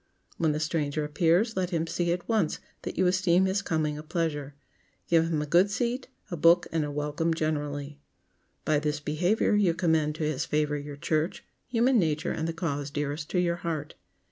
When the stranger appears, let him see at once that you esteem his coming a pleasure. Give him a good seat, a book and a welcome generally. By this behavior you commend to his favor your church, human nature and the cause dearest to your heart.